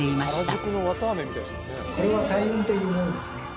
これは「彩雲」というものですね。